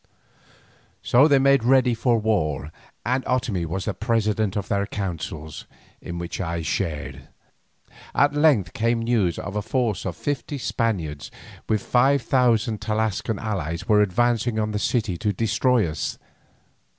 So they made ready for war, and Otomie was the president of their councils, in which I shared. At length came news that a force of fifty Spaniards with five thousand Tlascalan allies were advancing on the city to destroy us.